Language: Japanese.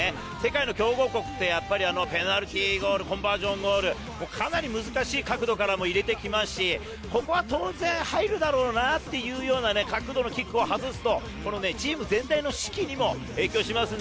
世界の強豪国って、ペナルティーゴール、コンバージョンゴール、かなり難しい角度からも入れてきますし、ここは当然入るだろうなというような角度のキックを外すと、チーム全体の士気にも影響します。